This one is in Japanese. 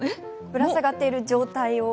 ぶら下がっている状態を。